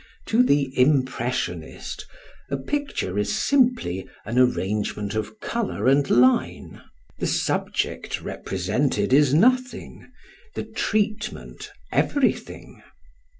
To the impressionist a picture is simply an arrangement of colour and line; the subject represented is nothing, the treatment everything.